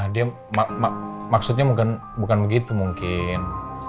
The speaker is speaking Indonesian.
dia maksudnya bukan begitu mungkin